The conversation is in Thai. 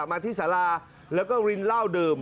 มาที่สาราแล้วก็รินเหล้าดื่ม